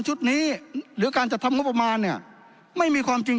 ชุดนี้หรือการจัดทำงบประมาณเนี่ยไม่มีความจริง